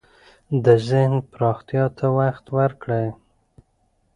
د ذهن پراختیا ته وخت ورکړئ.